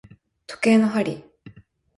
時計の針